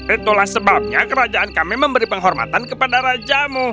itulah sebabnya kerajaan kami memberi penghormatan kepada rajamu